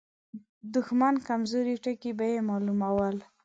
د دښمن کمزوري ټکي به يې مالومول.